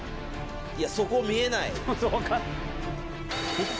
いやそこ見えない。